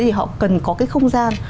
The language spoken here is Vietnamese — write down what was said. thì họ cần có cái không gian